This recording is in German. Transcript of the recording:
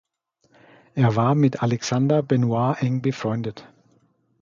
Er war mit Alexander Benois eng befreundet.